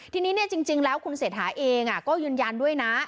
ทีนี้จริงแล้วคุณเศรษฐาเองก็ยืนยันด้วยนะ